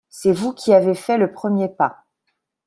C’est vous qui avez fait le premier pas.